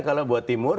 kalau buat timur